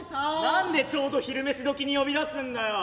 「何でちょうど昼飯時に呼び出すんだよ？」。